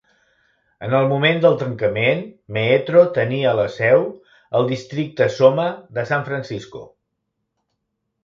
En el moment del tancament, Meetro tenia la seu al districte SoMa de San Francisco.